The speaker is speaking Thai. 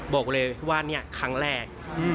บอกเลยว่านี่ครั้งแรก